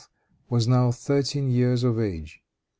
was now thirteen years of age.